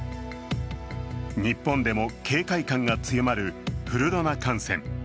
日本でも警戒感が強まるフルロナ感染。